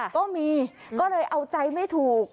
ก็มีก็เลยเอาใจไม่ถูก